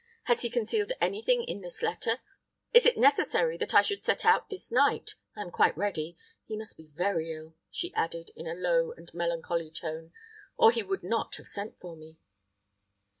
Has he concealed any thing in this letter? Is it necessary that I should set out this night? I am quite ready. He must be very ill," she added, in a low and melancholy tone, "or he would not have sent for me."